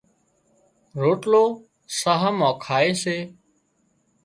روٽلو ساهَه مان کائي سي